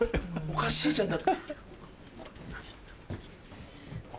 おかしいじゃん。